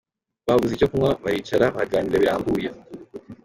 Baguze icyo kunywa baricara baraganira birambuye.